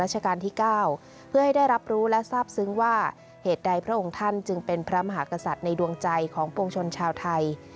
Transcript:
เหตุใดพระองค์ท่านจึงเป็นพระมหากษัตริย์ในดวงใจของปวงชนชาวไทย